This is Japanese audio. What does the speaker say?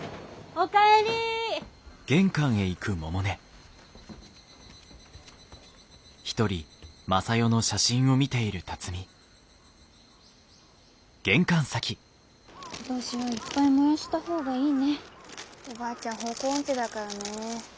おばあちゃん方向音痴だからね。